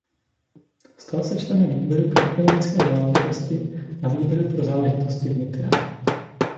Stal se členem výboru pro ekonomické záležitosti a výboru pro záležitosti vnitra.